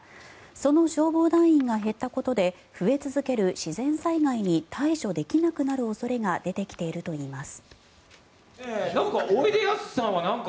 その消防団員が減ったことで増え続ける自然災害に対処できなくなる恐れが出てきているといいます。